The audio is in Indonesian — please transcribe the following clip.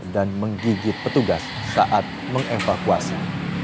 dan menggigit petugas saat mengevakuasi